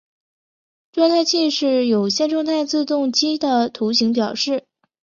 状态器是有限状态自动机的图形表示。